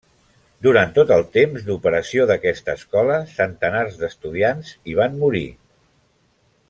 Durant tot el temps d'operació d'aquesta escola, centenars d'estudiants hi van morir.